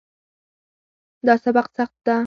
دا سبق سخت ده